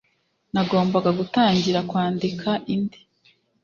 nagombaga gutangira kwandika indi